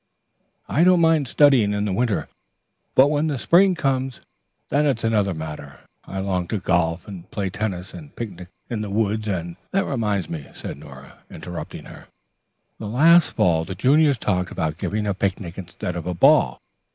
"I don't mind studying in the winter, but when the spring comes, then it's another matter. I long to golf and play tennis, and picnic in the woods and " "That reminds me," said Nora, interrupting her, "that last fall the juniors talked about giving a picnic instead of a ball.